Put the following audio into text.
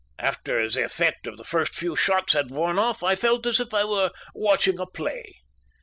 After the effect of the first few shots had worn off I felt as if I were watching a play.